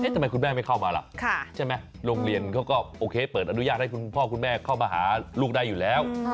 ทำไมคุณแม่ไม่เข้ามาล่ะใช่ไหมโรงเรียนเขาก็โอเคเปิดอนุญาตให้คุณพ่อคุณแม่เข้ามาหาลูกได้อยู่แล้ว